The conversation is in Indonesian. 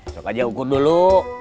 sok aja ukur dulu